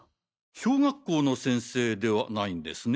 小学校の先生ではないんですね？